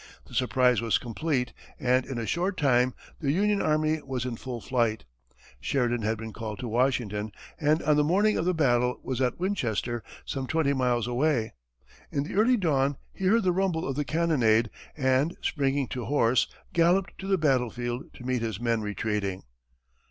The surprise was complete, and in a short time the Union army was in full flight. Sheridan had been called to Washington, and on the morning of the battle was at Winchester, some twenty miles away. In the early dawn, he heard the rumble of the cannonade, and, springing to horse, galloped to the battlefield, to meet his men retreating.